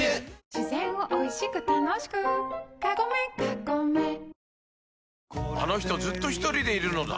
自然をおいしく楽しくカゴメカゴメあの人ずっとひとりでいるのだ